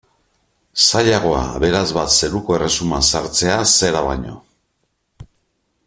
Zailagoa aberats bat zeruko erresuman sartzea zera baino.